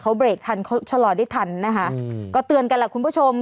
เขาเบรกทันเขาชะลอได้ทันนะคะก็เตือนกันแหละคุณผู้ชม